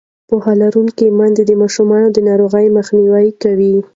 پوهه لرونکې میندې د ماشومانو د ناروغۍ مخنیوی کوي.